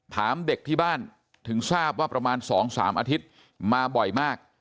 ถามเด็กที่บ้านถึงทราบว่าประมาณ๒๓อาทิตย์มาบ่อยมาก